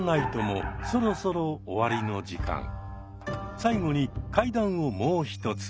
最後に怪談をもう一つ。